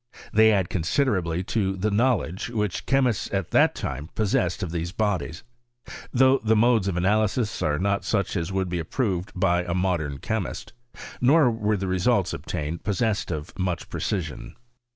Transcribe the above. They add considerably to the knowledge which chemists at that time possessed of these bodies ; though the modes of analysis are not such as would be approved of by a modem chemist ; nor were the results obtained possessed of much pre cision.